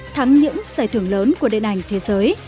thắng những giải thưởng lớn của đệ đảnh thế giới